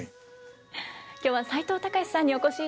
今日は齋藤孝さんにお越しいただきました。